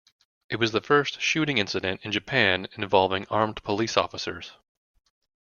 It was the first shooting incident in Japan involving armed police officers.